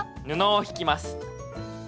布を敷きます。